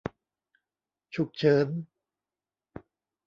ฉุกเฉิน